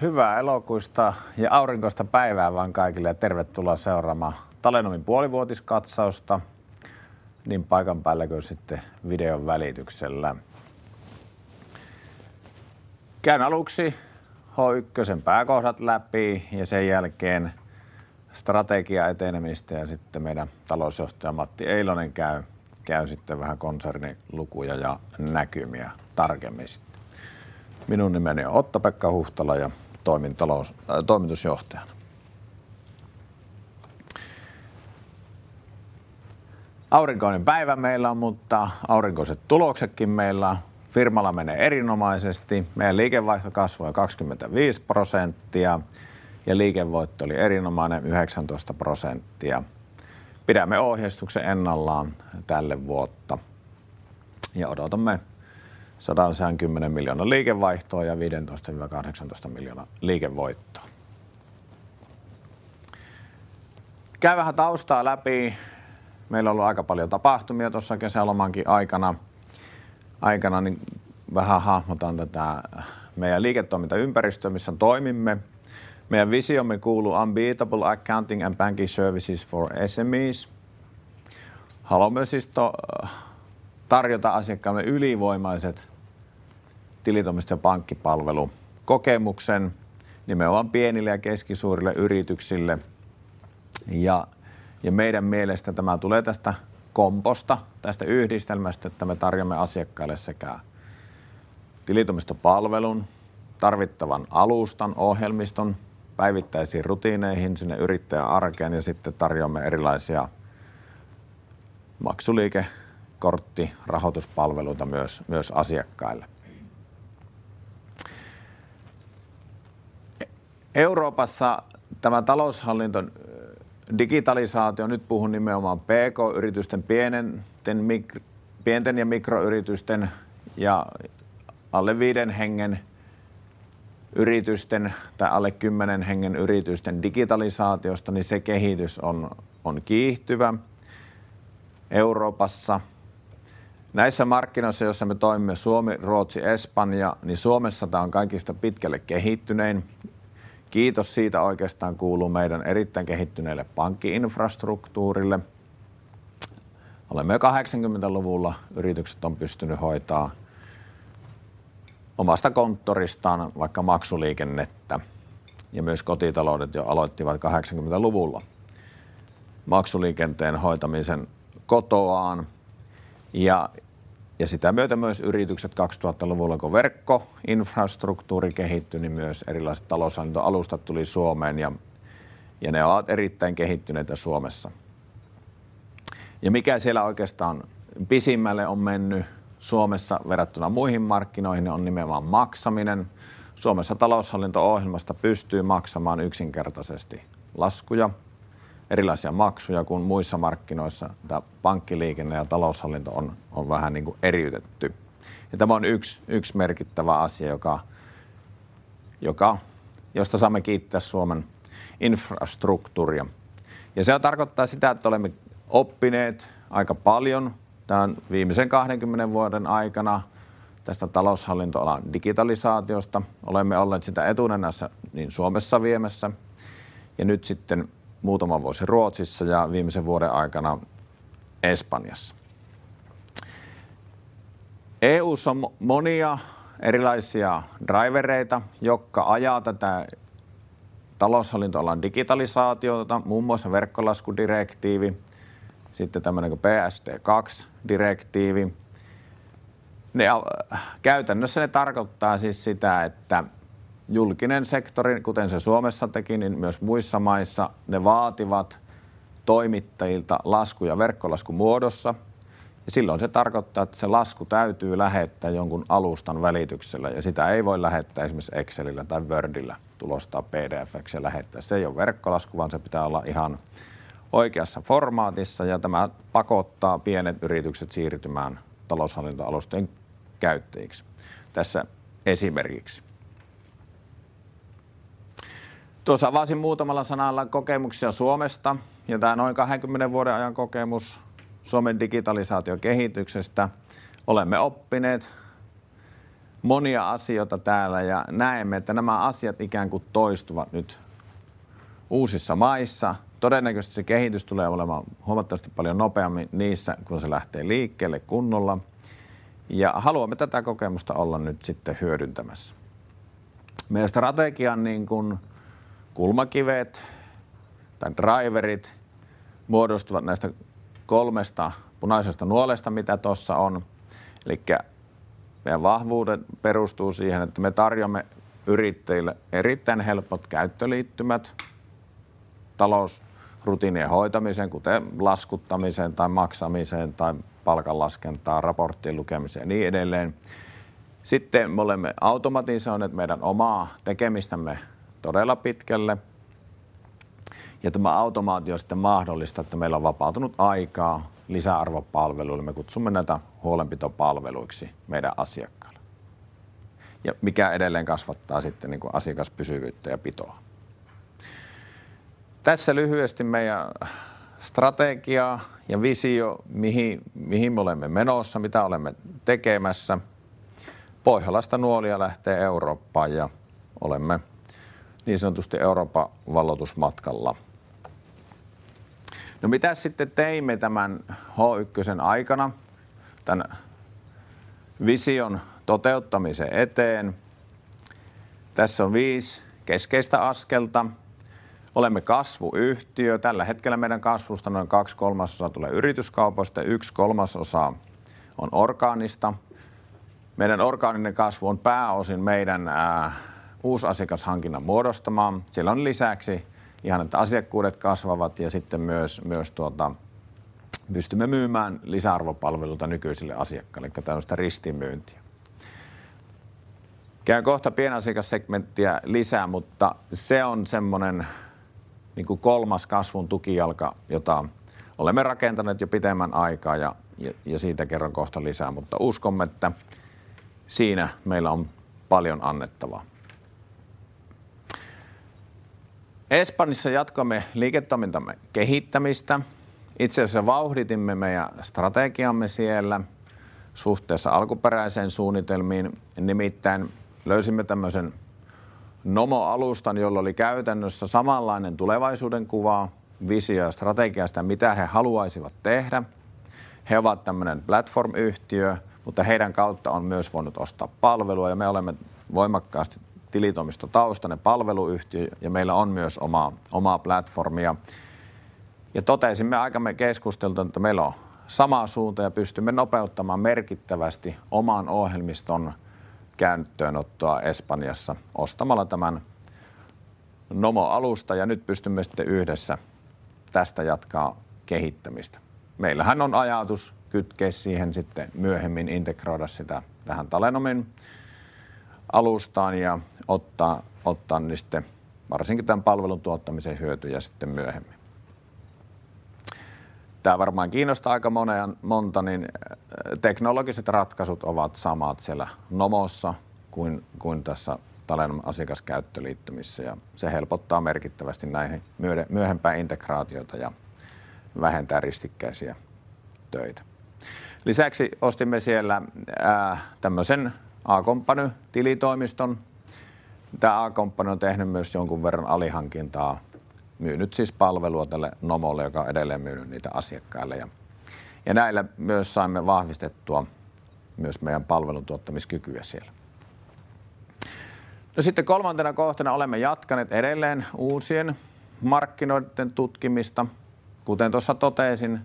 Hyvää elokuista ja aurinkoista päivää vaan kaikille ja tervetuloa seuraamaan Talenomin puolivuotiskatsausta niin paikan päällä kuin sitten videon välityksellä. Käyn aluksi H1 pääkohdat läpi ja sen jälkeen strategian etenemistä ja sitten meidän talousjohtaja Matti Eilonen käy sitten vähän konsernin lukuja ja näkymiä tarkemmin sitten. Minun nimeni on Otto-Pekka Huhtala ja toimin talon toimitusjohtajana. Aurinkoinen päivä meillä, mutta aurinkoiset tuloksetkin meillä. Firmalla menee erinomaisesti. Meidän liikevaihto kasvoi 25% ja liikevoitto oli erinomainen 19%. Pidämme ohjeistuksen ennallaan tälle vuodelle ja odotamme 110 million liikevaihtoa ja 15-18 million liikevoittoa. Käyn vähän taustaa läpi. Meillä on ollut aika paljon tapahtumia tuossa kesälomankin aikana, niin vähän hahmotan tätä meidän liiketoimintaympäristöä missä toimimme. Meidän visiomme kuuluu unbeatable accounting and banking services for SMEs. Haluamme siis tarjota asiakkaallemme ylivoimaiset tilitoimisto ja pankkipalvelukokemuksen nimenomaan pienille ja keskisuurille yrityksille. Meidän mielestä tämä tulee tästä kombosta, tästä yhdistelmästä, että me tarjoamme asiakkaille sekä tilitoimistopalvelun, tarvittavan alustan ohjelmiston päivittäisiin rutiineihin sinne yrittäjän arkeen ja sitten tarjoamme erilaisia maksuliike-, kortti-, rahoituspalveluita myös asiakkaille. Euroopassa tämä taloushallinnon digitalisaatio, nyt puhun nimenomaan PK-yritysten, pienten ja mikroyritysten ja alle viiden hengen yritysten tai alle kymmenen hengen yritysten digitalisaatiosta, niin se kehitys on kiihtyvä Euroopassa. Näissä markkinoissa, joissa me toimimme Suomi, Ruotsi, Espanja, niin Suomessa tää on kaikista pitkälle kehittynein. Kiitos siitä oikeastaan kuuluu meidän erittäin kehittyneelle pankki-infrastruktuurille. Olemme jo kaheksankymmentäluvulla yritykset on pystynyt hoitamaan omasta konttoristaan vaikka maksuliikennettä ja myös kotitaloudet jo aloittivat kaheksankymmentäluvulla maksuliikenteen hoitamisen kotoaan ja sitä myötä myös yritykset kakstuhatta luvulla, kun verkkoinfrastruktuuri kehittyi, niin myös erilaiset taloushallintoalustat tuli Suomeen ja ne ovat erittäin kehittyneitä Suomessa. Mikä siellä oikeastaan pisimmälle on mennyt Suomessa verrattuna muihin markkinoihin on nimenomaan maksaminen. Suomessa taloushallinto-ohjelmasta pystyy maksamaan yksinkertaisesti laskuja, erilaisia maksuja kuin muissa markkinoissa tämä pankkiliikenne ja taloushallinto on vähän niinku eriytetty ja tämä on yks merkittävä asia, joka josta saamme kiittää Suomen infrastruktuuria. Se tarkoittaa sitä, että olemme oppineet aika paljon tämän viimeisen 20 vuoden aikana tästä taloushallintoalan digitalisaatiosta. Olemme olleet sitä etunenässä niin Suomessa viemässä ja nyt sitten muutama vuosi Ruotsissa ja viimeisen vuoden aikana Espanjassa. EU:ssa on monia erilaisia draivereita, jotka ajaa tätä taloushallintoalan digitalisaatiota, muun muassa verkkolaskudirektiivi. Tämmönen ku PSD2 direktiivi. Ne käytännössä ne tarkoittaa siis sitä, että julkinen sektori, kuten se Suomessa teki, niin myös muissa maissa ne vaativat toimittajilta laskuja verkkolaskumuodossa ja silloin se tarkoittaa, että se lasku täytyy lähettää jonkun alustan välityksellä ja sitä ei voi lähettää esimerkiksi Excelillä tai Wordilla, tulostaa PDFksi ja lähettää. Se ei ole verkkolasku, vaan se pitää olla ihan oikeassa formaatissa ja tämä pakottaa pienet yritykset siirtymään taloushallintoalustojen käyttäjiksi tässä esimerkiksi. Tuossa avasin muutamalla sanalla kokemuksia Suomesta ja tää noin 20 vuoden ajan kokemus Suomen digitalisaation kehityksestä. Olemme oppineet monia asioita täällä ja näemme, että nämä asiat ikään kuin toistuvat nyt uusissa maissa. Todennäköisesti se kehitys tulee olemaan huomattavasti paljon nopeammin niissä, kun se lähtee liikkeelle kunnolla ja haluamme tätä kokemusta olla nyt sitten hyödyntämässä. Meidän strategian niinkun kulmakivet tai draiverit muodostuvat näistä kolmesta punaisesta nuolesta mitä tuossa on. Elikkä meidän vahvuudet perustuu siihen, että me tarjoamme yrittäjille erittäin helpot käyttöliittymät talousrutiinien hoitamiseen, kuten laskuttamiseen tai maksamiseen tai palkanlaskentaan, raporttien lukemiseen ja niin edelleen. Me olemme automatisoineet meidän omaa tekemistämme todella pitkälle, ja tämä automaatio sitten mahdollistaa, että meillä on vapautunut aikaa lisäarvopalveluille. Me kutsumme näitä huolenpitopalveluiksi meidän asiakkaille, ja mikä edelleen kasvattaa sitten niinku asiakaspysyvyyttä ja pitoa. Tässä lyhyesti meidän strategia ja visio, mihin me olemme menossa, mitä olemme tekemässä. Pohjalaista nuolia lähtee Eurooppaan ja olemme niin sanotusti Euroopan valloitusmatkalla. Mitäs sitten teimme tämän H1:n aikana tän vision toteuttamisen eteen? Tässä on viisi keskeistä askelta. Olemme kasvuyhtiö. Tällä hetkellä meidän kasvusta noin kaksi kolmasosaa tulee yrityskaupoista ja yksi kolmasosa on orgaanista. Meidän orgaaninen kasvu on pääosin meidän uuden asiakashankinnan muodostama. Siellä on lisäksi se, että asiakkuudet kasvavat ja sitten myös pystymme myymään lisäarvopalveluita nykyisille asiakkaille. Eli tämmöistä ristimyyntiä. Käyn kohta pienasiakassegmenttiä lisää, mutta se on semmonen niinku kolmas kasvun tukijalka, jota olemme rakentaneet jo pitemmän aikaa ja siitä kerron kohta lisää, mutta uskomme, että siinä meillä on paljon annettavaa. Espanjassa jatkoimme liiketoimintamme kehittämistä. Itse asiassa vauhditimme meidän strategiamme siellä suhteessa alkuperäiseen suunnitelmiin. Nimittäin löysimme tämmöisen Nomo-alustan, jolla oli käytännössä samanlainen tulevaisuudenkuva, visio ja strategia siitä, mitä he haluaisivat tehdä. He ovat tämmöinen platformyhtiö, mutta heidän kautta on myös voinut ostaa palvelua. Me olemme voimakkaasti tilitoimistotaustainen palveluyhtiö ja meillä on myös omaa platformia. Totesimme aikamme keskusteltua, että meillä on sama suunta ja pystymme nopeuttamaan merkittävästi oman ohjelmiston käyttöönottoa Espanjassa ostamalla tämän Nomo-alustan ja nyt pystymme sitten yhdessä tästä jatkaa kehittämistä. Meillähän on ajatus kytkeä siihen sitten myöhemmin integroida sitä tähän Talenomin alustaan ja ottaa niistä varsinkin tämän palvelun tuottamisen hyötyjä sitten myöhemmin. Tää varmaan kiinnostaa aika monen monta, niin teknologiset ratkaisut ovat samat siellä Nomossa kuin tässä Talenomin asiakaskäyttöliittymissä ja se helpottaa merkittävästi näihin myöhempää integraatiota ja vähentää ristikkäisiä töitä. Lisäksi ostimme siellä tämmösen A Company -tilitoimiston. Tää A Company on tehnyt myös jonkun verran alihankintaa, myynyt siis palvelua tälle Nomolle, joka on edelleen myynyt niitä asiakkaille ja näillä myös saimme vahvistettua myös meidän palveluntuottamiskykyä siellä. Kolmantena kohtana olemme jatkaneet edelleen uusien markkinoiden tutkimista. Kuten tuossa totesin,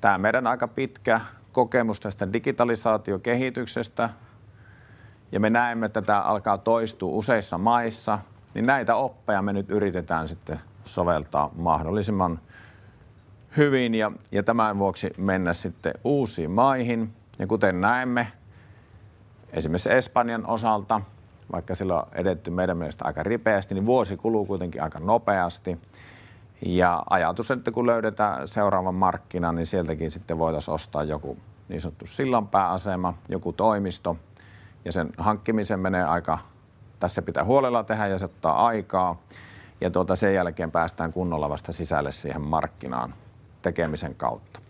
tää meidän aika pitkä kokemus tästä digitalisaatiokehityksestä ja me näemme, että tää alkaa toistua useissa maissa, niin näitä oppeja me nyt yritetään sitten soveltaa mahdollisimman hyvin ja tämän vuoksi mennä sitten uusiin maihin. Kuten näemme esimerkiksi Espanjan osalta, vaikka siellä on edetty meidän mielestä aika ripeästi, niin vuosi kuluu kuitenkin aika nopeasti. Ajatus on, että kun löydetään seuraava markkina, niin sieltäkin sitten voitaisiin ostaa joku niin sanottu sillanpääasema, joku toimisto, ja sen hankkimiseen menee aikaa. Tässä pitää huolella tehdä ja se ottaa aikaa ja sen jälkeen päästään kunnolla vasta sisälle siihen markkinaan tekemisen kautta.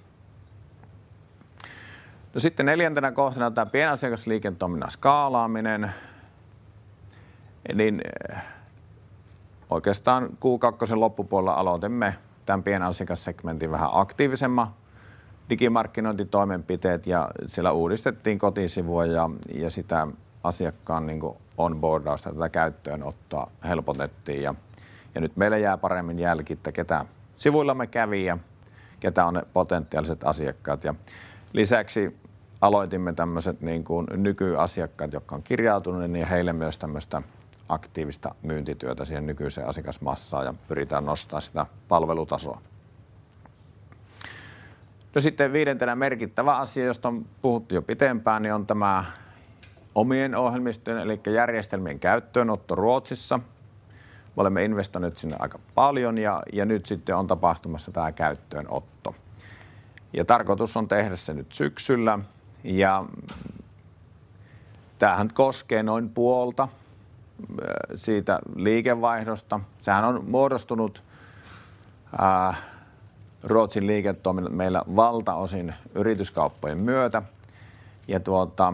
Neljäntenä kohtana tää pienasiakasliiketoiminnan skaalaaminen. Oikeastaan Q2:n loppupuolella aloitimme tämän pienasiakassegmentin vähän aktiivisemmat digimarkkinointitoimenpiteet ja siellä uudistettiin kotisivuja ja sitä asiakkaan niinkuin onboardausta, tätä käyttöönottoa helpotettiin ja nyt meillä jää paremmin jälki, että ketä sivuillamme kävi ja ketä on ne potentiaaliset asiakkaat. Lisäksi aloitimme tällaiset nykyasiakkaat, jotka on kirjautuneet niin heille myös tällaista aktiivista myyntityötä siihen nykyiseen asiakasmassaan ja pyritään nostamaan sitä palvelutasoa. Viidentenä merkittävänä asiana, josta on puhuttu jo pitempään, on tämä omien ohjelmistojen eli järjestelmien käyttöönotto Ruotsissa. Me olemme investoineet sinne aika paljon ja nyt sitten on tapahtumassa tämä käyttöönotto, ja tarkoitus on tehdä se nyt syksyllä. Tämähän koskee noin puolta siitä liikevaihdosta. Sehän on muodostunut A Company, Ruotsin liiketoiminnat meillä valtaosin yrityskauppojen myötä. Tuota,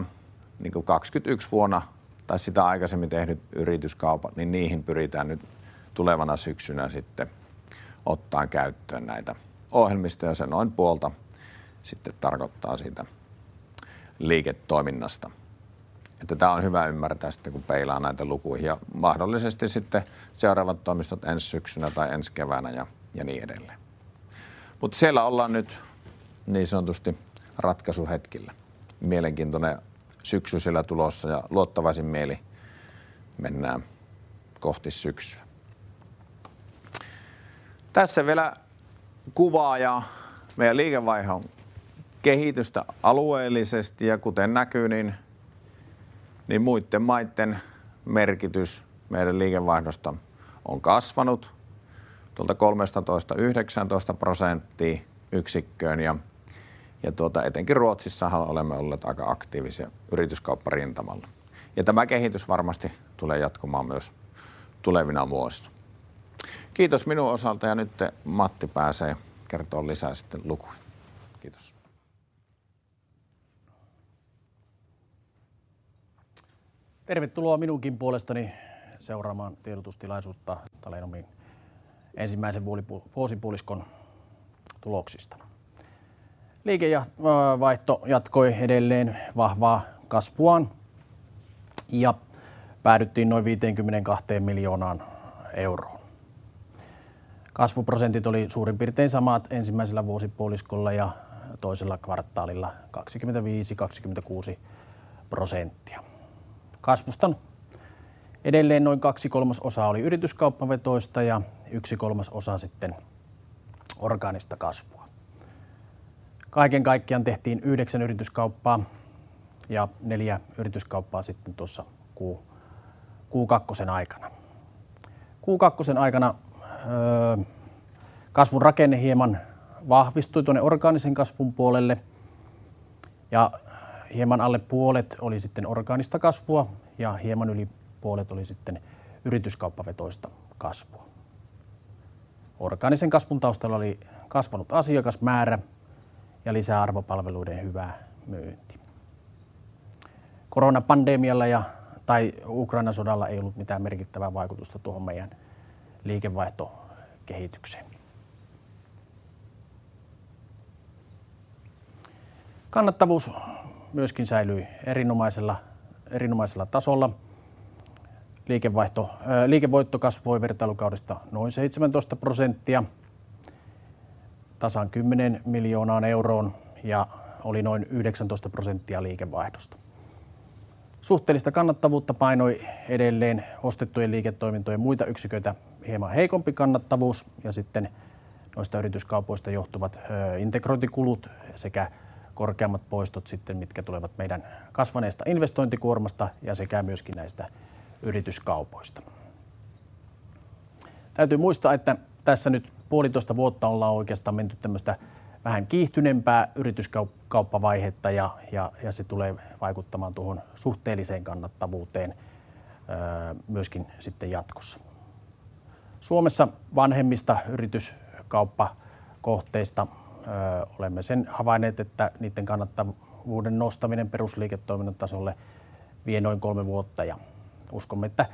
niin kun 2022 vuonna tai sitä aikaisemmin tehdyt yrityskaupat, niin niihin pyritään nyt tulevana syksynä sitten ottaa käyttöön näitä ohjelmistoja. Se noin puolta sitten tarkoittaa siitä liiketoiminnasta, että tää on hyvä ymmärtää sitten kun peilaa näitä lukuihin ja mahdollisesti sitten seuraavat toimistoja ensi syksynä tai ensi keväänä ja niin edelleen. Siellä ollaan nyt niin sanotusti ratkaisuhetkillä. Mielenkiintoinen syksy siellä tulossa ja luottavaisin mielin mennään kohti syksyä. Tässä vielä kuvaaja meidän liikevaihdon kehitystä alueellisesti ja kuten näkyy, niin muitten maiden merkitys meidän liikevaihdosta on kasvanut tuolta 13:sta 19:een prosenttiyksikköön ja etenkin Ruotsissahan olemme olleet aika aktiivisia yrityskaupparintamalla, ja tämä kehitys varmasti tulee jatkumaan myös tulevina vuosina. Kiitos minun osaltani. Nyt sitten Matti pääsee kertomaan lisää lukuja. Kiitos. Tervetuloa minunkin puolestani seuraamaan tiedotustilaisuutta Talenomin ensimmäisen vuosipuoliskon tuloksista. Liikevaihto jatkoi edelleen vahvaa kasvuaan ja päädyttiin noin 52 miljoonaan. Kasvuprosentit oli suurin piirtein samat ensimmäisellä vuosipuoliskolla ja toisella kvartaalilla 25%, 26 prosenttia. Kasvusta edelleen noin kaksi kolmasosaa oli yrityskauppavetoista ja yksi kolmasosa sitten orgaanista kasvua. Kaiken kaikkiaan tehtiin 9 yrityskauppaa ja 4 yrityskauppaa sitten tuossa Q2 aikana. Q2 aikana kasvun rakenne hieman vahvistui tuonne orgaanisen kasvun puolelle ja hieman alle puolet oli sitten orgaanista kasvua ja hieman yli puolet oli sitten yrityskauppavetoista kasvua. Orgaanisen kasvun taustalla oli kasvanut asiakasmäärä ja lisäarvopalveluiden hyvä myynti. Koronapandemialla ja tai Ukrainan sodalla ei ollut mitään merkittävää vaikutusta tuohon meidän liikevaihtokehitykseen. Kannattavuus myöskin säilyi erinomaisella tasolla. Liikevoitto kasvoi vertailukaudesta noin 17 prosenttia tasan 10 miljoonaan ja oli noin 19 prosenttia liikevaihdosta. Suhteellista kannattavuutta painoi edelleen ostettujen liiketoimintojen muita yksiköitä hieman heikompi kannattavuus ja sitten noista yrityskaupoista johtuvat integrointikulut sekä korkeammat poistot sitten, mitkä tulevat meidän kasvaneesta investointikuormasta ja sekä myöskin näistä yrityskaupoista. Täytyy muistaa, että tässä nyt 1.5 vuotta ollaan oikeastaan menty tämmöistä vähän kiihtyneempää yrityskauppavaihetta ja se tulee vaikuttamaan tuohon suhteelliseen kannattavuuteen myöskin sitten jatkossa. Suomessa vanhemmista yrityskauppakohteista olemme sen havainneet, että niitten kannattavuuden nostaminen perusliiketoiminnan tasolle vie noin 3 vuotta. Uskomme, että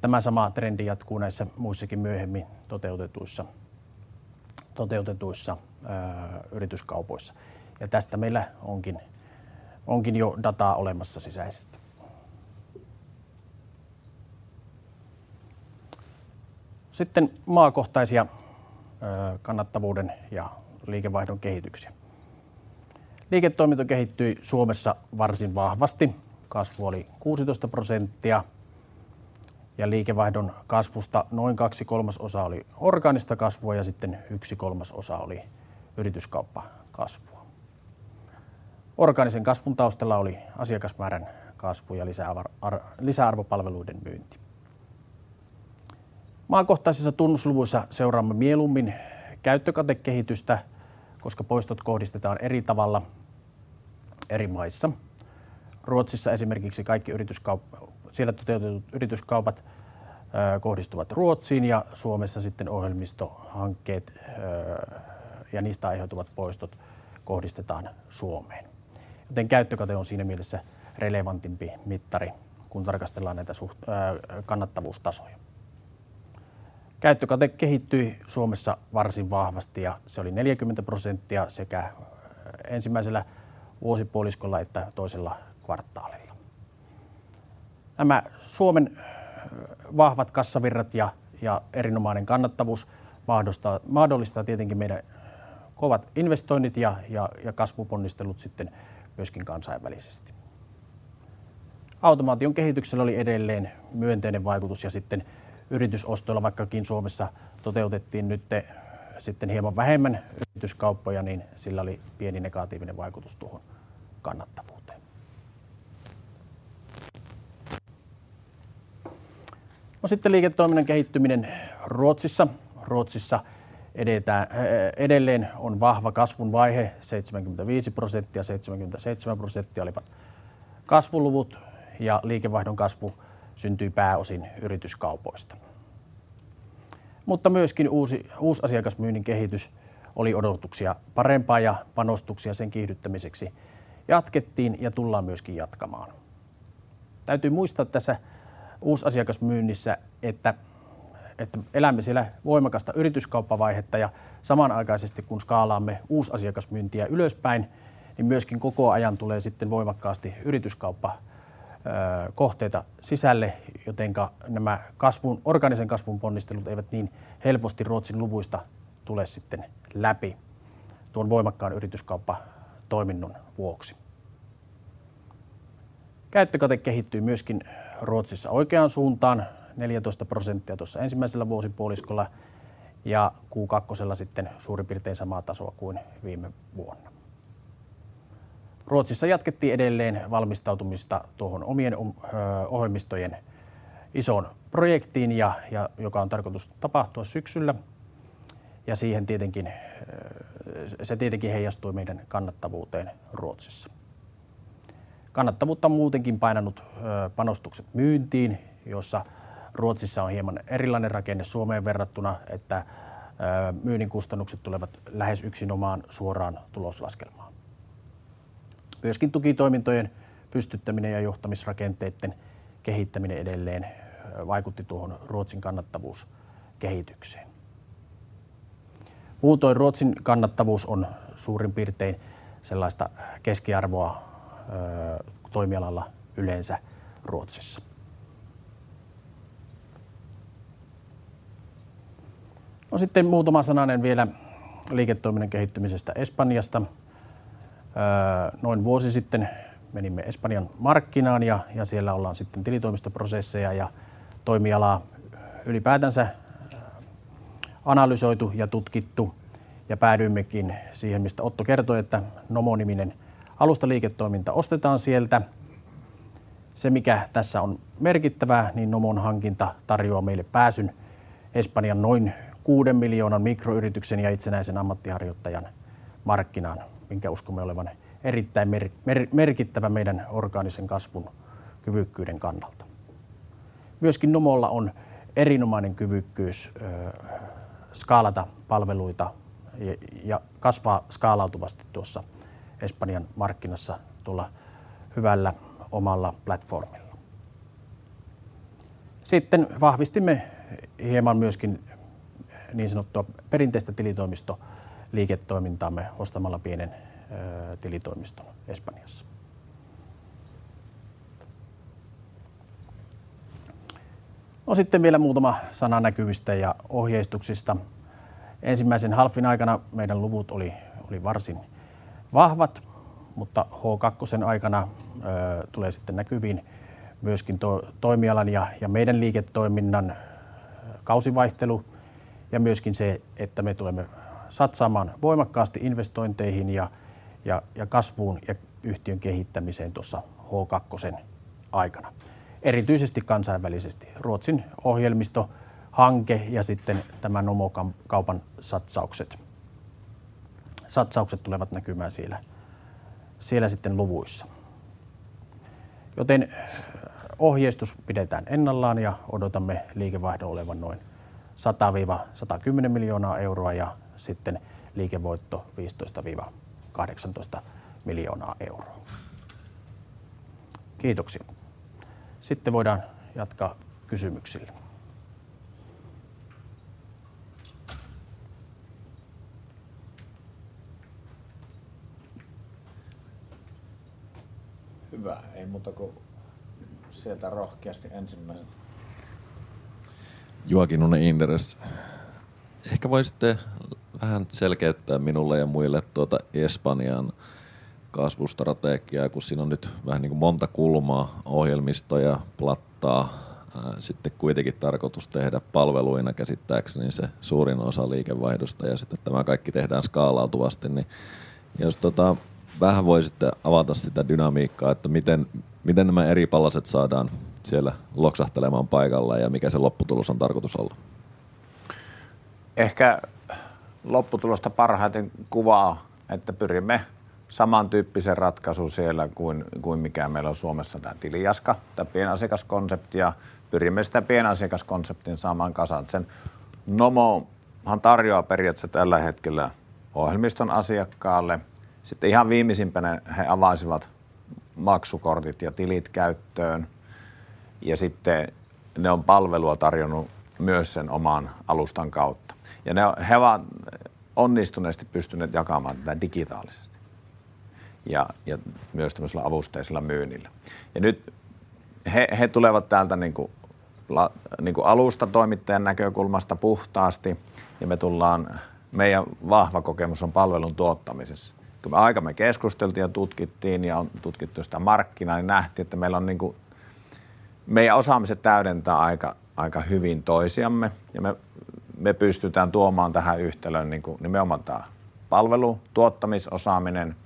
tämä sama trendi jatkuu näissä muissakin myöhemmin toteutetuissa yrityskaupoissa. Tästä meillä onkin jo dataa olemassa sisäisesti. Maakohtaisia kannattavuuden ja liikevaihdon kehityksiä. Liiketoiminta kehittyi Suomessa varsin vahvasti. Kasvu oli 16% ja liikevaihdon kasvusta noin kaksi kolmasosaa oli orgaanista kasvua ja sitten yksi kolmasosa oli yrityskauppakasvua. Orgaanisen kasvun taustalla oli asiakasmäärän kasvu ja lisäarvopalveluiden myynti. Maakohtaisissa tunnusluvuissa seuraamme mieluummin käyttökatekehitystä, koska poistot kohdistetaan eri tavalla eri maissa. Ruotsissa esimerkiksi kaikki siellä toteutetut yrityskaupat kohdistuvat Ruotsiin ja Suomessa sitten ohjelmistohankkeet ja niistä aiheutuvat poistot kohdistetaan Suomeen. Joten käyttökate on siinä mielessä relevantimpi mittari, kun tarkastellaan näitä suhteellisia kannattavuustasoja. Käyttökate kehittyi Suomessa varsin vahvasti, ja se oli 40% sekä ensimmäisellä vuosipuoliskolla että toisella kvartaalilla. Nämä Suomen vahvat kassavirrat ja erinomainen kannattavuus mahdollistaa tietenkin meidän kovat investoinnit ja kasvuponnistelut sitten myöskin kansainvälisesti. Automaation kehityksellä oli edelleen myönteinen vaikutus ja sitten yritysostoilla, vaikkakin Suomessa toteutettiin nyt sitten hieman vähemmän yrityskauppoja, niin sillä oli pieni negatiivinen vaikutus tuohon kannattavuuteen. Liiketoiminnan kehittyminen Ruotsissa. Ruotsissa edetään edelleen vahvassa kasvun vaiheessa. 75%, 77% olivat kasvuluvut ja liikevaihdon kasvu syntyi pääosin yrityskaupoista, mutta myöskin uusasiakasmyynnin kehitys oli odotuksia parempaa ja panostuksia sen kiihdyttämiseksi jatkettiin ja tullaan myöskin jatkamaan. Täytyy muistaa tässä uusasiakasmyynnissä, että elämme siellä voimakasta yrityskauppavaihetta ja samanaikaisesti kun skaalaamme uusasiakasmyyntiä ylöspäin, niin myöskin koko ajan tulee sitten voimakkaasti yrityskauppakohteita sisälle, joten nämä kasvun, orgaanisen kasvun ponnistelut eivät niin helposti Ruotsin luvuista tule sitten läpi tuon voimakkaan yrityskauppatoiminnon vuoksi. Käyttökate kehittyi myöskin Ruotsissa oikeaan suuntaan 14% tuossa ensimmäisellä vuosipuoliskolla ja Q2:lla sitten suurin piirtein samaa tasoa kuin viime vuonna. Ruotsissa jatkettiin edelleen valmistautumista tuohon omien ohjelmistojen isoon projektiin, joka on tarkoitus tapahtua syksyllä. Siihen tietenkin, se tietenkin heijastui meidän kannattavuuteen Ruotsissa. Kannattavuutta on muutenkin painanut panostukset myyntiin, jossa Ruotsissa on hieman erilainen rakenne Suomeen verrattuna, että myynnin kustannukset tulevat lähes yksinomaan suoraan tuloslaskelmaan. Myöskin tukitoimintojen pystyttäminen ja johtamisrakenteitten kehittäminen edelleen vaikutti tuohon Ruotsin kannattavuuskehitykseen. Muutoin Ruotsin kannattavuus on suurin piirtein sellaista keskiarvoa toimialalla yleensä Ruotsissa. No muutama sananen vielä liiketoiminnan kehittymisestä Espanjasta. Noin vuosi sitten menimme Espanjan markkinaan ja siellä ollaan sitten tilitoimistoprosesseja ja toimialaa ylipäätänsä analysoitu ja tutkittu. Päädyimmekin siihen, mistä Otto kertoi, että Nomo-niminen alustaliiketoiminta ostetaan sieltä. Se, mikä tässä on merkittävää, niin Nomon hankinta tarjoaa meille pääsyn Espanjan noin 6 miljoonan mikroyrityksen ja itsenäisen ammatinharjoittajan markkinaan, minkä uskomme olevan erittäin merkittävä meidän orgaanisen kasvun kyvykkyyden kannalta. Myöskin Nomolla on erinomainen kyvykkyys skaalata palveluita ja kasvaa skaalautuvasti tuossa Espanjan markkinassa tuolla hyvällä omalla platformilla. Vahvistimme hieman myöskin niin sanottua perinteistä tilitoimistoliiketoimintaamme ostamalla pienen tilitoimiston Espanjassa. Vielä muutama sana näkymistä ja ohjeistuksista. Ensimmäisen H1:n aikana meidän luvut oli varsin vahvat, mutta H2:n aikana tulee sitten näkyviin myöskin toimialan ja meidän liiketoiminnan kausivaihtelu ja myöskin se, että me tulemme satsaamaan voimakkaasti investointeihin ja kasvuun ja yhtiön kehittämiseen tuossa H2:n aikana erityisesti kansainvälisesti. Ruotsin ohjelmistohanke ja tämä Nomo-kaupan satsaukset. Satsaukset tulevat näkymään siellä luvuissa, joten ohjeistus pidetään ennallaan ja odotamme liikevaihdon olevan noin 100-110 miljoonaa euroa ja liikevoitto 15-18 miljoonaa euroa. Kiitoksia. Voimme jatkaa kysymyksillä. Hyvä. Ei muuta kuin sieltä rohkeasti ensimmäiset. Juha Kinnunen, Inderes. Ehkä voisitte vähän selkeyttää minulle ja muille tuota Espanjan kasvustrategiaa, kun siinä on nyt vähän niin kuin monta kulmaa. Ohjelmistoja, plattaa. Sitten kuitenkin tarkoitus tehdä palveluina käsittääkseni se suurin osa liikevaihdosta ja sitten tämä kaikki tehdään skaalautuvasti, niin jos tota vähän voisitte avata sitä dynamiikkaa, että miten nämä eri palaset saadaan siellä loksahtelemaan paikalleen ja mikä sen lopputuloksen on tarkoitus olla? Ehkä lopputulosta parhaiten kuvaa, että pyrimme samantyyppiseen ratkaisuun siellä kuin mikä meillä on Suomessa tämä TiliJaska, tämä pienasiakaskonsepti, ja pyrimme sitä pienasiakaskonseptin saamaan kasaan. Sen Nomo ihan tarjoaa periaatteessa tällä hetkellä ohjelmiston asiakkaalle. Sitten ihan viimeisimpänä he avaisivat maksukortit ja tilit käyttöön ja sitten ne on palvelua tarjonnut myös sen oman alustan kautta ja ne he vaan onnistuneesti pystyneet jakamaan tätä digitaalisesti ja myös tällaisella avusteisella myynnillä. Nyt he tulevat täältä niinku alustatoimittajan näkökulmasta puhtaasti ja me tullaan, meidän vahva kokemus on palvelun tuottamisessa. Kyllä me aika keskusteltiin ja tutkittiin ja on tutkittu sitä markkinaa, niin nähtiin, että meillä on niinku meidän osaamiset täydentää aika hyvin toisiamme ja me pystytään tuomaan tähän yhtälöön niinku nimenomaan tää palvelutuottamisosaaminen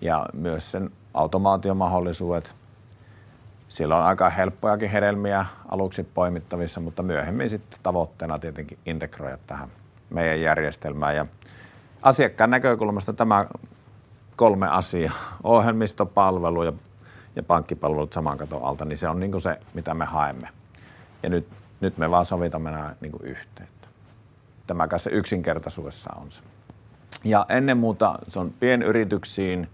ja myös sen automaatiomahdollisuudet. Siellä on aika helppojakin hedelmiä aluksi poimittavissa, mutta myöhemmin sitten tavoitteena tietenkin integroida tähän meidän järjestelmään ja asiakkaan näkökulmasta nämä kolme asiaa ohjelmisto, palvelu ja pankkipalvelut saman katon alta, niin se on niinku se mitä me haemme. Nyt me vaan sovitaan nää niinku yhteen, että tämä kai se yksinkertaisuudessaan on se. Ennen muuta se on pienyrityksiin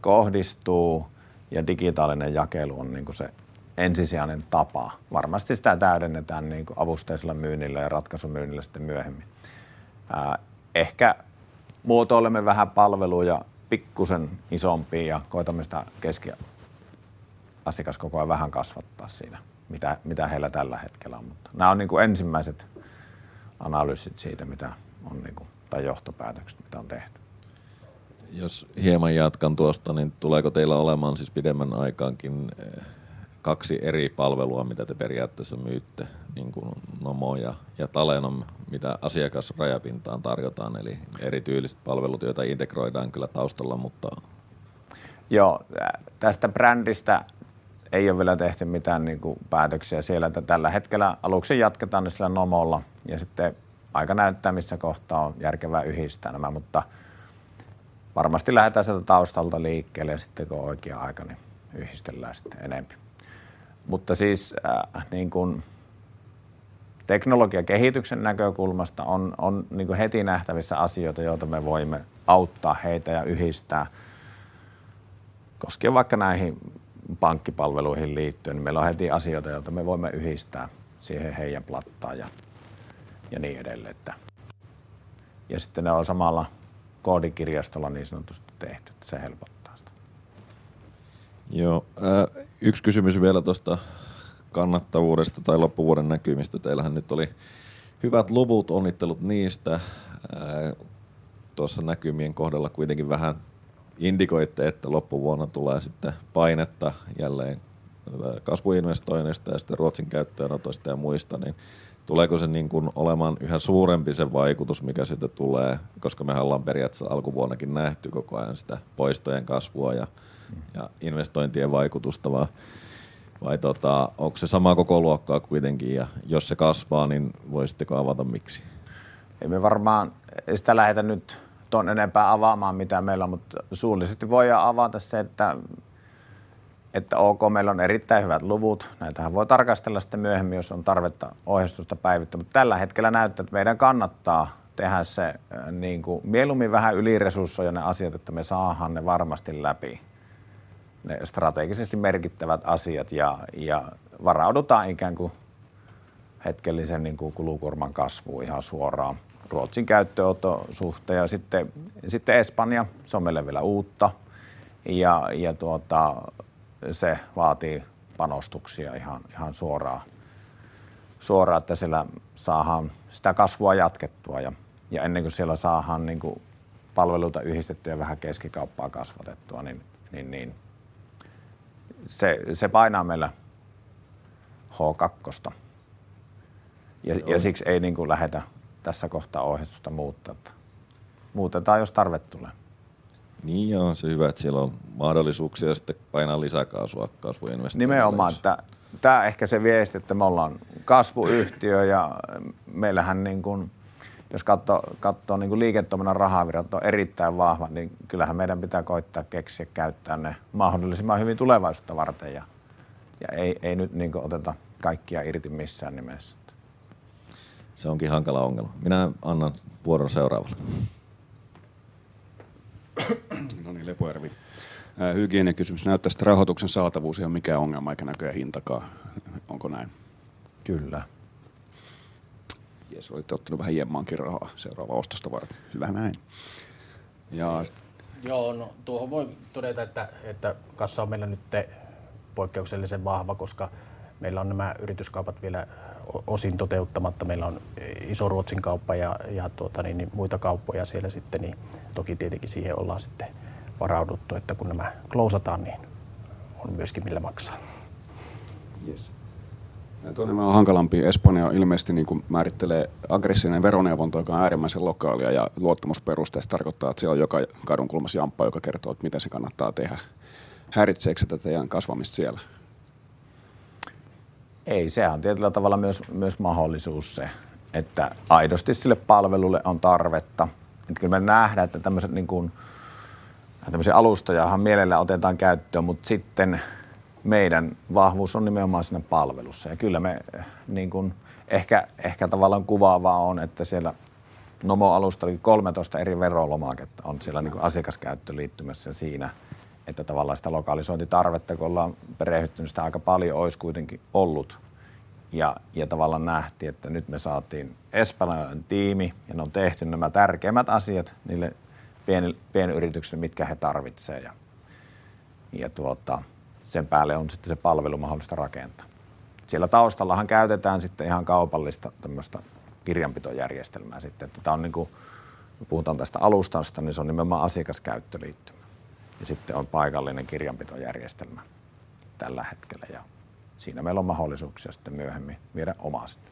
kohdistuu ja digitaalinen jakelu on niinku se ensisijainen tapa. Varmasti sitä täydennetään niinku avusteisella myynnillä ja ratkaisumyynnillä sitten myöhemmin. Ehkä muotoilemme vähän palveluja pikkusen isompiin ja koetamme sitä keskiasiakaskokoa vähän kasvattaa siinä mitä heillä tällä hetkellä on. Nää on niinku ensimmäiset analyysit siitä mitä on niinku tai johtopäätökset mitä on tehty. Jos hieman jatkan tuosta, niin tuleeko teillä olemaan siis pidemmän aikaankin kaksi eri palvelua, mitä te periaatteessa myytte niin kuin Nomo ja Talenom mitä asiakasrajapintaan tarjotaan. Eri tyyliset palvelut, joita integroidaan kyllä taustalla, mutta. Joo, tästä brändistä ei oo vielä tehty mitään niinku päätöksiä siellä, että tällä hetkellä aluksi jatketaan sillä Nomolla ja sitten aika näyttää missä kohtaa on järkevää yhdistää nämä, mutta varmasti lähdetään sieltä taustalta liikkeelle ja sitten kun on oikea aika niin yhdistellään sitten enempi. Siis niin kun teknologiakehityksen näkökulmasta on niinku heti nähtävissä asioita, joita me voimme auttaa heitä ja yhdistää koskien vaikka näihin pankkipalveluihin liittyen, niin meillä on heti asioita, joita me voimme yhdistää siihen heidän platformiin ja niin edelleen, että ja sitten ne on samalla koodikirjastolla niin sanotusti tehty. Se helpottaa sitä. Joo. Yks kysymys vielä tosta kannattavuudesta tai loppuvuoden näkymistä. Teillähän nyt oli hyvät luvut, onnittelut niistä. Tuossa näkymien kohdalla kuitenkin vähän indikoitte, että loppuvuonna tulee sitten painetta jälleen kasvuinvestoinneista ja sitten Ruotsin käyttöönotoista ja muista, niin tuleeko se niin kuin olemaan yhä suurempi se vaikutus mikä sieltä tulee? Koska mehän ollaan periaatteessa alkuvuonnakin nähty koko ajan sitä poistojen kasvua ja investointien vaikutusta vaan vai tota onks se samaa kokoluokkaa kuitenkin? Ja jos se kasvaa, niin voisitteko avata miksi? Ei me varmaan ei sitä lähetä nyt tuon enempää avaamaan mitä meillä on, mutta suullisesti voidaan avata se, että että ok, meillä on erittäin hyvät luvut. Näitähän voi tarkastella sitten myöhemmin, jos on tarvetta ohjeistusta päivittää, mutta tällä hetkellä näyttää, että meidän kannattaa tehdä se niinku mieluummin vähän yliresurssoiden ne asiat, että me saadaan ne varmasti läpi ne strategisesti merkittävät asiat ja varaudutaan ikään kuin hetkellisen niinku kulukuorman kasvuun ihan suoraan Ruotsin käyttöönoton suhteen. Ja sitten Espanja. Se on meille vielä uutta ja tuota se vaatii panostuksia ihan suoraan, että siellä saadaan sitä kasvua jatkettua ja ennen kuin siellä saadaan niinku palveluita yhdistettyä ja vähän keskikauppaa kasvatettua, niin niin se painaa meillä H2:sta ja siksi ei niinku lähetä tässä kohtaa ohjeistusta muuttaa, että muutetaan jos tarve tulee. Niin joo, on se hyvä, että siellä on mahdollisuuksia sitten painaa lisäkaasua kasvuinvestointeihin. Nimenomaan, että tää ehkä se viesti, että me ollaan kasvuyhtiö. Meillähän niin kun jos kattoo niinku liiketoiminnan rahavirrat on erittäin vahva, niin kyllähän meidän pitää koittaa keksiä käyttää ne mahdollisimman hyvin tulevaisuutta varten. Ei nyt niinku oteta kaikkia irti missään nimessä, että. Se onkin hankala ongelma. Minä annan vuoron seuraavalle. No niin, Lepojärvi. Hygieniakysymys. Näyttäis että rahoituksen saatavuus ei oo mikään ongelma eikä näköjään hintakaan. Onko näin? Kyllä. Jes, olitte ottanu vähän jemmaankin rahaa seuraavaa ostosta varten. Hyvähän näin. Joo, no tuohon voin todeta, että kassa on meillä nyt poikkeuksellisen vahva, koska meillä on nämä yrityskaupat vielä osin toteuttamatta. Meillä on iso Ruotsin kauppa ja tuota niin muita kauppoja siellä sitten niin toki tietenkin siihen ollaan sitten varauduttu, että kun nämä klousataan niin on myöskin millä maksaa. Jes. Toinen vähän hankalampi Espanjassa on ilmeisesti se, miten määritellään aggressiivinen veroneuvonta, joka on äärimmäisen lokaalia ja luottamusperusteista. Tarkoittaa, että siellä on joka kadunkulmassa jamppa, joka kertoo, että miten se kannattaa tehdä. Häiritseekö se tätä teidän kasvamista siellä? Ei, sehän on tietyllä tavalla myös mahdollisuus se, että aidosti sille palvelulle on tarvetta. Et että kyllä me nähdään, että tämmöset niin kun tämmösiä alustajahan mielellään otetaan käyttöön, mutta sitten meidän vahvuus on nimenomaan siinä palvelussa ja kyllä me niin kun ehkä tavallaan kuvaavaa on, että siellä Nomo-alustallakin 13 eri verolomaketta on siellä niinku asiakaskäyttöliittymässä ja siinä, että tavallaan sitä lokalisointitarvetta kun ollaan perehdytty niin sitä aika paljon ois kuitenkin ollut ja tavallaan nähtiin, että nyt me saatiin Espanjan tiimi ja ne on tehty nämä tärkeimmät asiat niille pienyrityksille mitkä he tarvitsee ja tuota sen päälle on sitten se palvelu mahdollista rakentaa. Siellä taustallahan käytetään sitten ihan kaupallista tämmöstä kirjanpitojärjestelmää sitten, että tää on niinku me puhutaan tästä alustasta, niin se on nimenomaan asiakaskäyttöliittymä. Sitten on paikallinen kirjanpitojärjestelmä tällä hetkellä ja siinä meillä on mahdollisuuksia sitten myöhemmin viedä omaa sinne.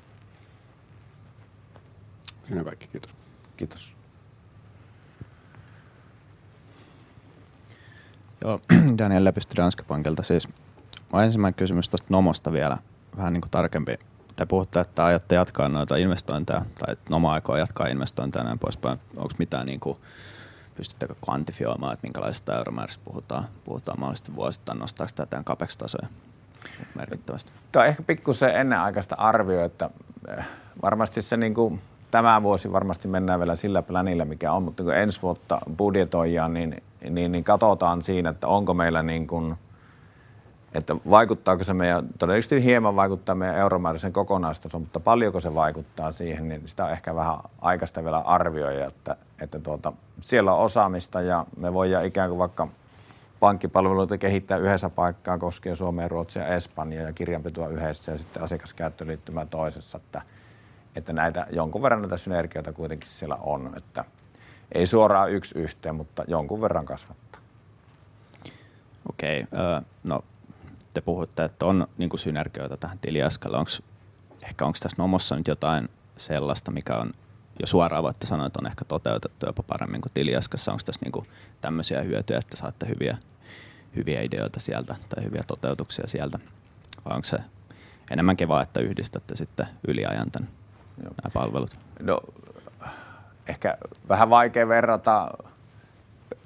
Siinä kaikki. Kiitos. Kiitos. Joo, Daniel Lepistö Danske Bankilta. Mulla ensimmäinen kysymys tosta Nomosta vielä vähän niinku tarkempi. Te puhutte, että aiotte jatkaa noita investointeja tai että Nomo aikoo jatkaa investointeja ja näin poispäin. Onks mitään niinku pystyttekö kvantifioimaan, että minkälaisista euromääristä puhutaan? Puhutaan mahdollisesti vuosittain. Nostaaks tää teidän CapEx-tasoja merkittävästi? Tää on ehkä pikkusen ennenaikaista arvioida, että se niinku tämä vuosi mennään vielä sillä plänillä mikä on. Kun ensi vuotta budjetoidaan, niin katsotaan siinä, että onko meillä niin, että se vaikuttaako meidän todennäköisesti hieman euromääräiseen kokonaistasoon, mutta paljonko se vaikuttaa siihen, niin sitä on ehkä vähän aikaista vielä arvioida, että siellä on osaamista ja me voidaan ikään kuin vaikka pankkipalveluita kehittää yhdessä paikassa koskien Suomea, Ruotsia ja Espanjaa ja kirjanpitoa yhdessä ja sitten asiakaskäyttöliittymä toisessa. Että näitä jonkun verran synergioita kuitenkin siellä on, että ei suoraan yksi yhteen, mutta jonkun verran kasvattaa. Okei, no te puhutte että on niinku synergioita tähän TiliJaska. Onks ehkä täs Nomossa nyt jotain sellaista mikä on jo suoraan voitte sanoa, että on ehkä toteutettu jopa paremmin kuin TiliJaskassa? Onks tässä niinku tämmösiä hyötyjä, että saatte hyviä ideoita sieltä tai hyviä toteutuksia sieltä? Vai onks se enemmänkin vaan että yhdistätte sitten yli ajan tän nää palvelut? Ehkä vähän vaikea verrata.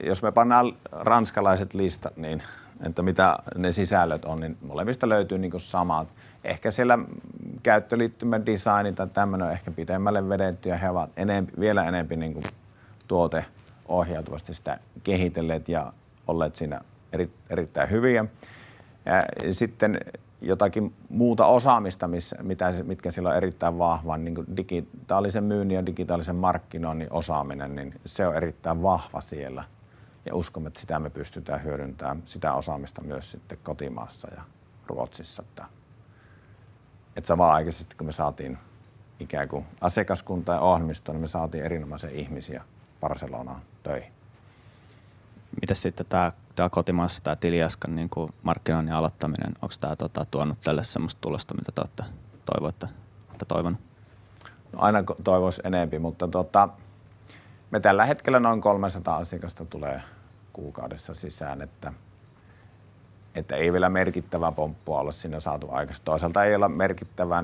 Jos me pannaan ranskalaiset listat, niin että mitä ne sisällöt on, niin molemmista löytyy niinku samat. Ehkä siellä käyttöliittymädesign tai tämmönen on ehkä pitemmälle vedetty ja he ovat vielä enemmän niinku tuoteohjautuvasti sitä kehitelleet ja olleet siinä erittäin hyviä. Ja sitten jotakin muuta osaamista missä se on erittäin vahva on niinku digitaalisen myynnin ja digitaalisen markkinoinnin osaaminen, niin se on erittäin vahva siellä ja uskomme, että sitä me pystytään hyödyntää sitä osaamista myös sitten kotimaassa ja Ruotsissa, että samanaikaisesti kun me saatiin ikään kuin asiakaskunta ja ohjelmisto, niin me saatiin erinomaisia ihmisiä Barcelonaan töihin. Mites sitten tää kotimaassa tää TiliJaskan niinku markkinoinnin aloittaminen? Onks tää tota tuonut tälle semmosta tulosta mitä te ootte toivonut? Aina toivois enempi, mutta tuota me tällä hetkellä noin 300 asiakasta tulee kuukaudessa sisään. Että ei vielä merkittävää pomppua ole siinä saatu aikaiseksi. Toisaalta ei olla merkittävää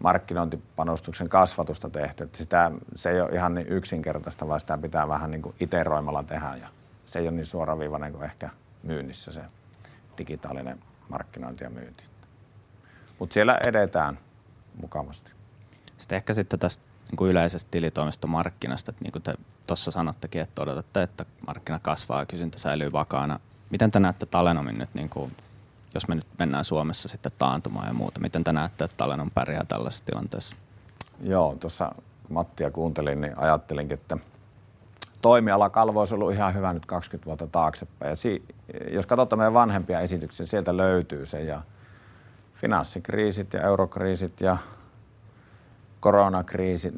niinkun markkinointipanostuksen kasvatusta tehty, että sitä se ei ole ihan niin yksinkertaista, vaan sitä pitää vähän niinku iteroimalla tehä ja se ei ole niin suoraviivainen kuin ehkä myynnissä se digitaalinen markkinointi ja myynti. Siellä edetään mukavasti. Ehkä sitten tästä niinku yleisestä tilitoimistomarkkinasta. Että niinku te tuossa sanottekin, että odotatte että markkina kasvaa ja kysyntä säilyy vakaana. Miten te näette Talenomin nyt niinku jos me nyt mennään Suomessa sitten taantumaan ja muuta, miten te näette, että Talenom pärjää tällaisessa tilanteessa? Joo, tuossa Mattia kuuntelin niin ajattelinkin, että toimialakalvo ois ollut ihan hyvä nyt 20 vuotta taaksepäin ja jos katotte meidän vanhempia esityksiä, sieltä löytyy se ja finanssikriisit ja eurokriisit ja koronakriisit,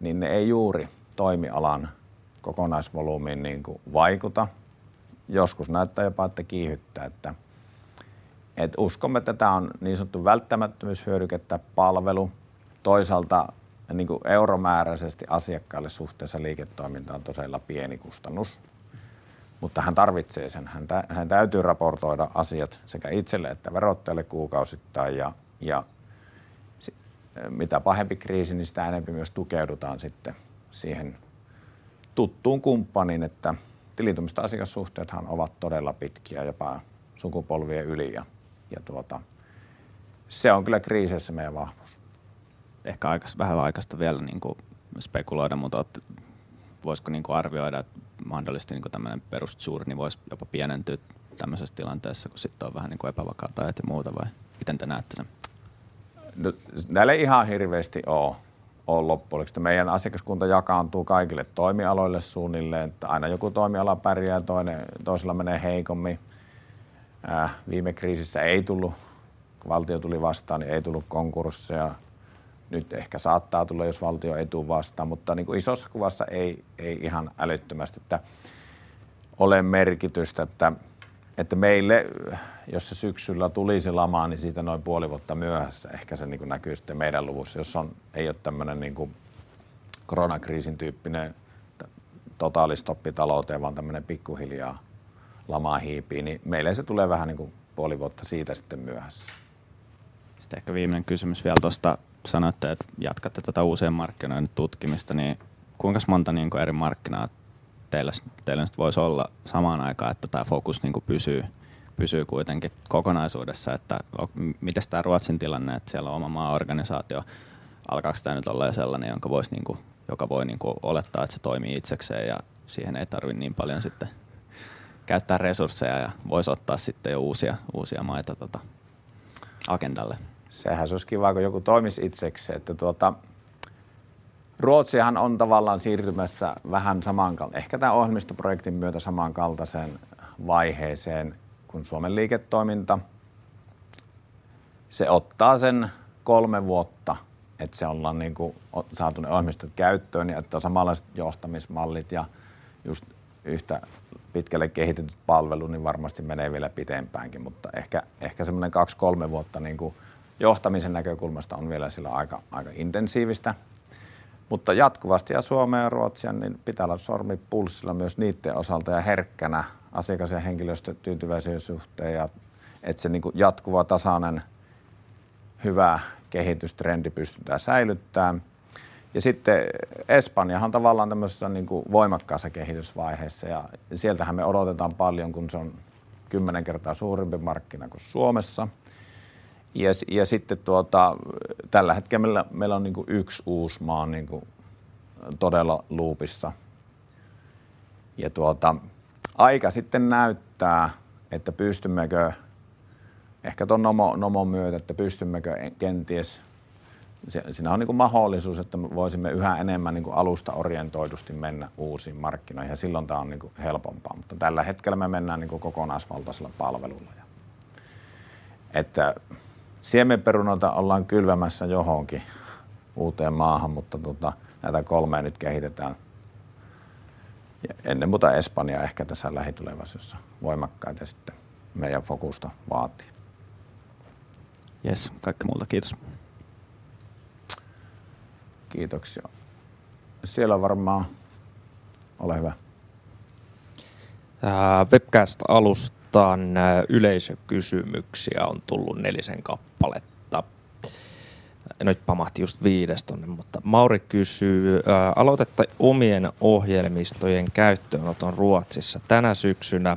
niin ne ei juuri toimialan kokonaisvolyymiin niinku vaikuta. Joskus näyttää jopa että kiihdyttää, että uskomme, että tää on niin sanottu välttämättömyyshyödyke tai palvelu. Toisaalta niinku euromääräisesti asiakkaalle suhteessa liiketoiminta on todella pieni kustannus, mutta hän tarvitsee sen. Hänen täytyy raportoida asiat sekä itselle että verottajalle kuukausittain. Mitä pahempi kriisi, niin sitä enempi myös tukeudutaan sitten siihen tuttuun kumppaniin, että tilitoimistojen asiakassuhteethan ovat todella pitkiä jopa sukupolvien yli ja se on kyllä kriiseissä meidän vahvuus. Ehkä on vähän aikaista vielä niin kuin spekuloida, mutta voisiko niin kuin arvioida, että mahdollisesti niin kuin tällainen perus suuri niin voisi jopa pienentyä tällaisessa tilanteessa, kun sitten on vähän niin kuin epävakaita aikoja ja muuta. Vai miten te näette sen? No näillä ei ole loppuun. Meidän asiakaskunta jakaantuu kaikille toimialoille suunnilleen, että aina joku toimiala pärjää ja toisella menee heikommin. Viime kriisissä ei tullut, kun valtio tuli vastaan niin ei tullut konkursseja. Nyt ehkä saattaa tulla, jos valtio ei tuu vastaan, mutta niinku isossa kuvassa ei ihan älyttömästi, että ei ole merkitystä meille jos syksyllä tulisi lama, niin siitä noin puoli vuotta myöhässä ehkä se niinku näkyy sitten meidän luvuissa. Jos ei ole tällainen niinku koronakriisin tyyppinen totaalstoppi talouteen, vaan tällainen pikkuhiljaa lama hiipii, niin meille se tulee vähän niinku puoli vuotta siitä sitten myöhässä. Ehkä viimeinen kysymys vielä tosta. Sanoitte, että jatkatte tätä uusien markkinoiden tutkimista, niin kuinkas monta niinku eri markkinaa teillä teille nyt voisi olla samaan aikaan, että tää fokus niinku pysyy kuitenkin kokonaisuudessa? Mites tää Ruotsin tilanne, et siellä on oma maaorganisaatio. Alkaaks tää nyt oleen sellainen, jonka vois niinku olettaa, että se toimii itsekseen ja siihen ei tarvii niin paljon sitten käyttää resursseja ja voisi ottaa sitten jo uusia maita tota agendalle. Se olisi kiva kun joku toimisi itsekseen, että tuota Ruotsihan on tavallaan siirtymässä vähän samankaltaiseen vaiheeseen kuin Suomen liiketoiminta. Se ottaa sen 3 vuotta, että se ollaan niin kuin saatu ne ohjelmistot käyttöön ja että on samanlaiset johtamismallit ja just yhtä pitkälle kehitetyt palvelut, niin varmasti menee vielä pitempäänkin. Ehkä semmonen 2-3 vuotta niin kuin johtamisen näkökulmasta on vielä siellä aika intensiivistä, mutta jatkuvasti ja Suomen ja Ruotsin, niin pitää olla sormi pulssilla myös niitten osalta ja herkkänä asiakas- ja henkilöstötyytyväisyyden suhteen. Että se niin kuin jatkuva, tasainen hyvä kehitystrendi pystytään säilyttämään. Sitten Espanjahan tavallaan tällaisessa niin kuin voimakkaassa kehitysvaiheessa ja sieltä me odotetaan paljon, kun se on 10 kertaa suurempi markkina kuin Suomessa. Sitten tällä hetkellä meillä on niinku yksi uusi maa niinku todella loopissa ja aika sitten näyttää, että pystymmekö ehkä ton Nomo myötä, että pystymmekö kenties. Siinä on niinku mahdollisuus, että me voisimme yhä enemmän niinku alustaorientoidusti mennä uusiin markkinoihin ja silloin tämä on niinku helpompaa, mutta tällä hetkellä me mennään niinku kokonaisvaltaisella palvelulla ja että siemenperunoita ollaan kylvämässä johonkin uuteen maahan, mutta näitä kolmea nyt kehitetään. Ennen muuta Espanja ehkä tässä lähitulevaisuudessa voimakkaita sitten meidän fokusta vaatii. Yes, kaikki minulta. Kiitos. Kiitoksia. Siellä on varmaan. Ole hyvä. Täällä webcastin alussa yleisökysymyksiä on tullut nelisen kappaletta. Nyt pamahti just viides tuonne, mutta Mauri kysyy. Aloitatte omien ohjelmistojen käyttöönoton Ruotsissa tänä syksynä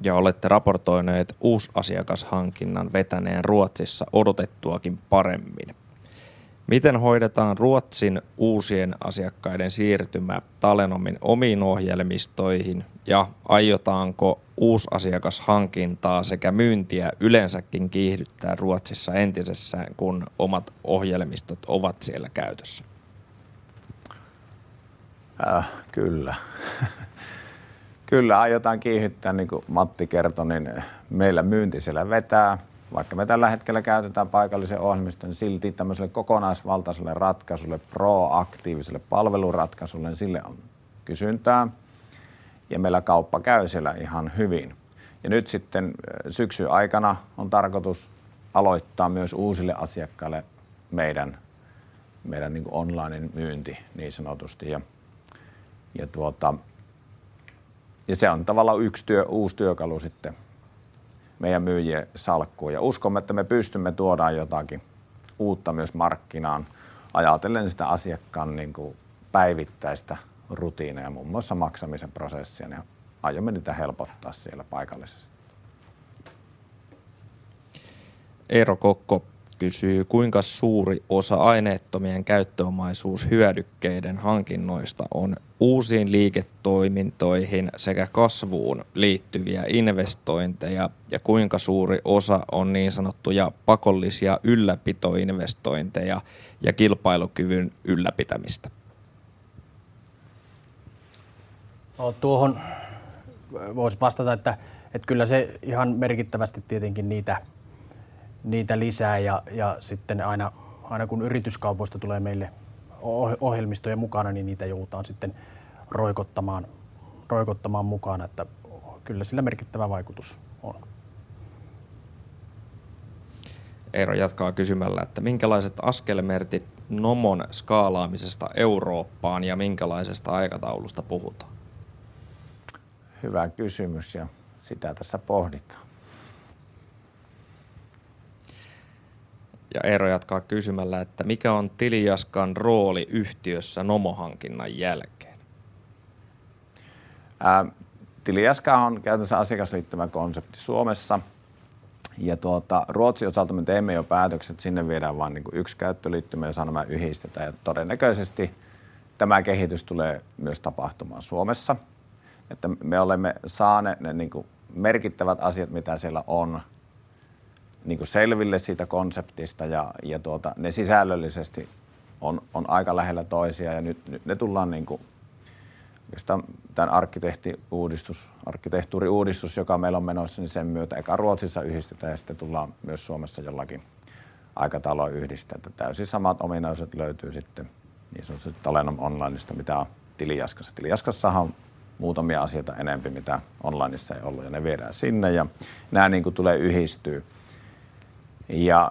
ja olette raportoineet uusasiakashankinnan vetäneen Ruotsissa odotettuakin paremmin. Miten hoidetaan Ruotsin uusien asiakkaiden siirtymä Talenomin omiin ohjelmistoihin ja aiotaanko uusasiakashankintaa sekä myyntiä yleensäkin kiihdyttää Ruotsissa entisestään, kun omat ohjelmistot ovat siellä käytössä? Kyllä aiotaan kiihdyttää. Niin kuin Matti kertoi, niin meillä myynti siellä vetää. Vaikka me tällä hetkellä käytetään paikallisen ohjelmiston, niin silti tämmöiselle kokonaisvaltaiselle ratkaisulle, proaktiiviselle palveluratkaisulle, niin sille on kysyntää ja meillä kauppa käy siellä ihan hyvin. Nyt sitten syksyn aikana on tarkoitus aloittaa myös uusille asiakkaille meidän online-myynti niin sanotusti. Se on tavallaan yksi uusi työkalu meidän myyjien salkkuun ja uskomme, että me pystymme tuomaan jotakin uutta myös markkinaan ajatellen sitä asiakkaan päivittäistä rutiineja, muun muassa maksamisen prosessia, ja aiomme niitä helpottaa siellä paikallisesti. Eero Kokko kysyy, kuinka suuri osa aineettomien käyttöomaisuushyödykkeiden hankinnoista on uusiin liiketoimintoihin sekä kasvuun liittyviä investointeja ja kuinka suuri osa on niin sanottuja pakollisia ylläpitoinvestointeja ja kilpailukyvyn ylläpitämistä? No tuohon voisi vastata, että ei kyllä se ihan merkittävästi tietenkin niitä lisää. Sitten aina kun yrityskaupoista tulee meille ohjelmistoja mukana, niin niitä joudutaan sitten roikottamaan mukana, että kyllä sillä merkittävä vaikutus on. Eero jatkaa kysymällä, että minkälaiset askelmerkit Nomon skaalaamisesta Eurooppaan ja minkälaisesta aikataulusta puhutaan? Hyvä kysymys ja sitä tässä pohditaan. Eero jatkaa kysymällä, että mikä on TiliJaskan rooli yhtiössä Nomo-hankinnan jälkeen. TiliJaska on käytännössä asiakasliittymäkonsepti Suomessa ja Ruotsin osalta me teimme jo päätökset. Sinne viedään vaan niinku yksi käyttöliittymä ja sanomat yhdistetään ja todennäköisesti tämä kehitys tulee myös tapahtumaan Suomessa. Me olemme saaneet ne niinku merkittävät asiat mitä siellä on niinku selville siitä konseptista ja ne sisällöllisesti on aika lähellä toisiaan ja nyt ne tullaan niinku oikeastaan tämän arkkitehtuuriuudistus, joka meillä on menossa, niin sen myötä eka Ruotsissa yhdistetään ja sitten tullaan myös Suomessa jollakin aikataululla yhdistää, että täysin samat ominaisuudet löytyy sitten niin sanotusta Talenom Onlinesta mitä on TiliJaskassa. TiliJaskassahan on muutamia asioita enemmän mitä Online:ssa ei ollut ja ne viedään sinne ja nää niinku tulee yhdistyy ja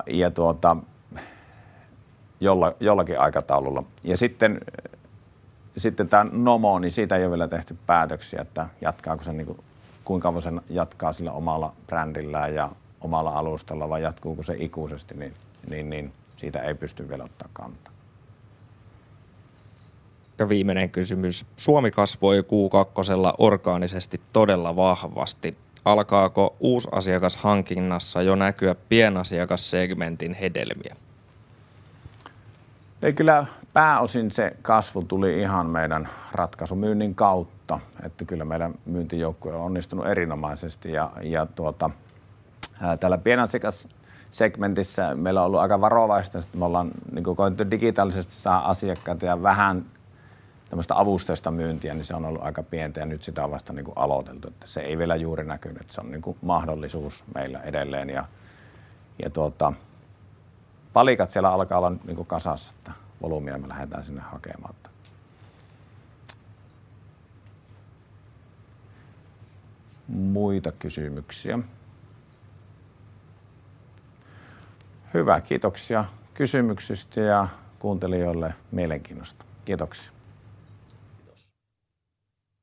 jollain aikataululla ja sitten tämä Nomo niin siitä ei oo vielä tehty päätöksiä, että jatkaako se niinku kuinka kauan sen jatkaa sillä omalla brändillään ja omalla alustalla vai jatkuuko se ikuisesti niin siitä ei pysty vielä ottaa kantaa. Viimeinen kysymys. Suomi kasvoi Q2:lla orgaanisesti todella vahvasti. Alkaako uusasiakashankinnassa jo näkyä pienasiakassegmentin hedelmiä? Ei kyllä pääosin se kasvu tuli ihan meidän ratkaisumyynnin kautta. Kyllä meidän myyntijoukkue on onnistunut erinomaisesti ja täällä pienasiakassegmentissä meillä on ollut aika varovaista. Me ollaan niinku koitettu digitaalisesti saada asiakkaita ja vähän tämmöstä avusteista myyntiä, niin se on ollut aika pientä ja nyt sitä on vasta niinku aloiteltu, että se ei vielä juuri näkynyt. Se on niinku mahdollisuus meillä edelleen ja palikat siellä alkaa olla niinku kasassa, että volyymia me lähetään sinne hakemaan. Muita kysymyksiä? Hyvä, kiitoksia kysymyksistä ja kuuntelijoille mielenkiinnosta. Kiitoksia. Kiitos!